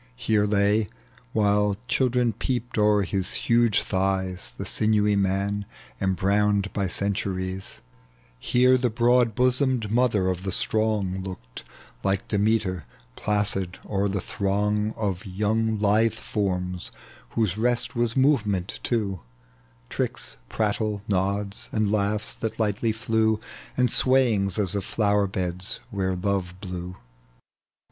He're lay, while children peeped o'er his huge thighs, The sinewy man imbrowned by centuries ; Here the broad bosomed mother of the strong Looked, like Demeter, placid o'er the throng .tec bv Google aa THE LEGEND OF JUBAl. Of young ] ithe forms whose rest was movement too — Tricks, prattle, nods, and laughs that lightly flew, And swayli^s as of flower heds where Love blew.